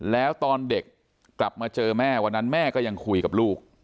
แล้วตอนเด็กกลับมาเจอแม่วันนั้นแม่ก็ยังคุยกับลูก